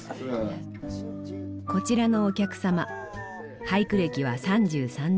こちらのお客様俳句歴は３３年。